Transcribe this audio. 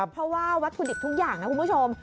เพราะว่าวัตถุดิบทุกอย่างนะคุณผู้ชม